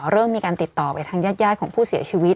เริ่มมีการติดต่อไปทางญาติของผู้เสียชีวิต